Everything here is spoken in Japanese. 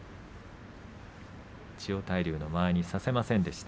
千代大龍の間合いにさせませんでした。